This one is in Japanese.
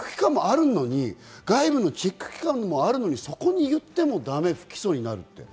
チェック機関もあるのに外部のチェック機関もあるのに、そこに言ってもだめ、不起訴になる。